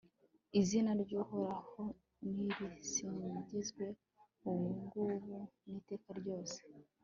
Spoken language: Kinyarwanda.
izina ry'uhoraho nirisingizwe, ubu ngubu n'iteka ryose